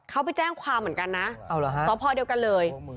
เขาไปแจ้งความเหมือนกันนะเอาเหรอฮะต่อพอเดียวกันเลย